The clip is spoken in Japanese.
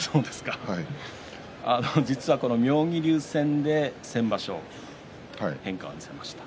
実はこの妙義龍戦で先場所は変化を見せました。